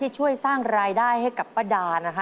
ช่วยสร้างรายได้ให้กับป้าดานะคะ